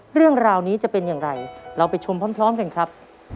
เรื่องราวนี้จะเป็นอย่างไรเราไปชมพร้อมกันครับ